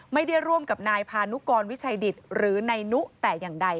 ไม่ได้ร่วมกับนายพานุกรวิชัยดิตหรือนายนุแต่อย่างใด